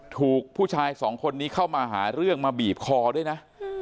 ถูกผู้ชายสองคนนี้เข้ามาหาเรื่องมาบีบคอด้วยนะ